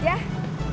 mas pur mau